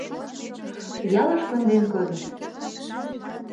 Ялыш конден кодышт.